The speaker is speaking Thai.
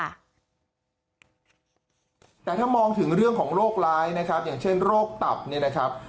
แต่ถ้ามองถึงเรื่องของโรคร้ายนะครับอย่างเช่นโรคตับเนี่ยนะครับ